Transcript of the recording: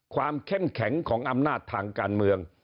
เข้มแข็งของอำนาจทางการเมือง